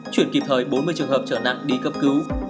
chuyển kịp thời bốn mươi trường hợp trở nặng đi cấp cứu